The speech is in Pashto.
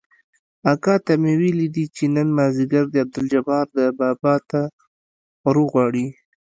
اکا ته مې ويلي دي چې نن مازديګر دې عبدالجبار ده بابا ته وروغواړي.